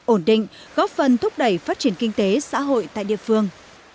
ổn định góp phần thúc đẩy phát triển kinh tế xã hội tại địa phương